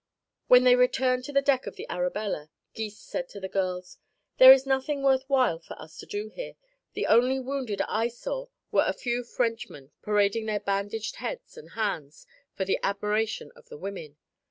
When they returned to the deck of the Arabella, Gys said to the girls: "There is nothing worth while for us to do here. The only wounded I saw were a few Frenchmen parading their bandaged heads and hands for the admiration of the women.